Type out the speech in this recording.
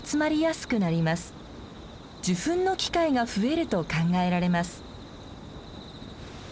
受粉の機会が増えると考えられます。